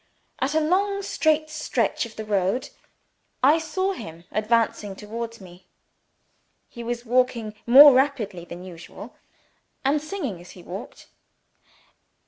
At a long straight stretch of the road, I saw him advancing towards me. He was walking more rapidly than usual, and singing as he walked.